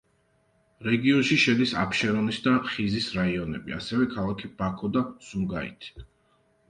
რეგიონში შედის აფშერონის და ხიზის რაიონები, ასევე ქალაქი ბაქო და სუმგაითი.